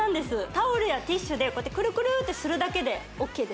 タオルやティッシュでこうやってクルクルってするだけでＯＫです